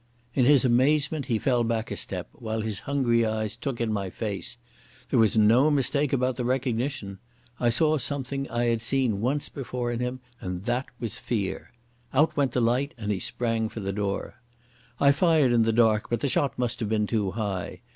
In his amazement he fell back a step, while his hungry eyes took in my face. There was no mistake about the recognition. I saw something I had seen once before in him, and that was fear. Out went the light and he sprang for the door. I fired in the dark, but the shot must have been too high.